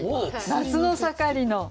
「夏の盛りの」。